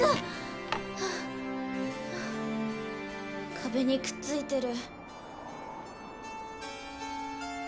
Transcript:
壁にくっついてる。